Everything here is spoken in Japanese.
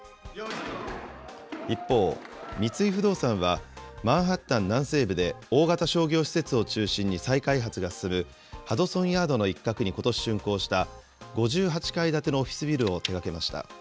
一方、三井不動産は、マンハッタン南西部で大型商業施設を中心に再開発が進む、ハドソンヤードの一角にことししゅんこうした、５８階建てのオフィスビルを手がけました。